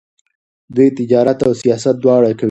دوی تجارت او سیاست دواړه کوي.